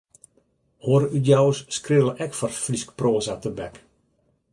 Oare útjouwers skrille ek foar Frysk proaza tebek.